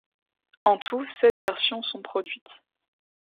En tout sept versions sont produites.